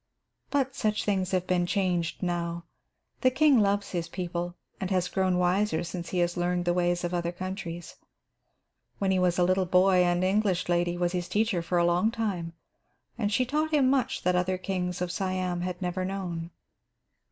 But such things have been changed now. The king loves his people and has grown wiser since he has learned the ways of other countries. When he was a little boy, an English lady was his teacher for a long time, and she taught him much that other Kings of Siam had never known.